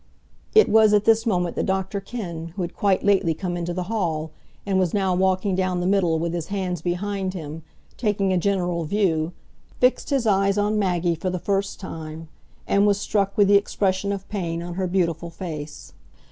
It was at this moment that Dr Kenn, who had quite lately come into the hall, and was now walking down the middle with his hands behind him, taking a general view, fixed his eyes on Maggie for the first time, and was struck with the expression of pain on her beautiful face.